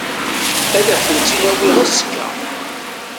Ad ak-tent-in-awiɣ azekka.